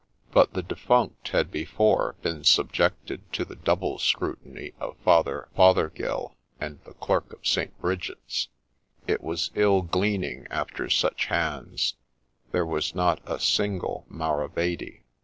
' But the defunct had before been subjected to the double scrutiny of Father Fothergill and the clerk of St. Bridget's. It was ill gleaning after such hands ; there was not a single maravedi.